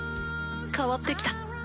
変わってきた。